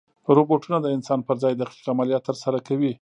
روبوټونه د انسان پر ځای دقیق عملیات ترسره کوي.